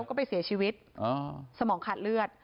ก็ไปเสียชีวิตสมองขาดเลือด